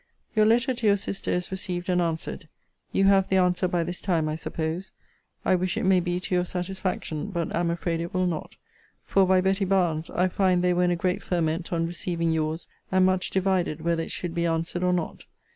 Your letter to your sister is received and answered. You have the answer by this time, I suppose. I wish it may be to your satisfaction: but am afraid it will not: for, by Betty Barnes, I find they were in a great ferment on receiving your's, and much divided whether it should be answered or not.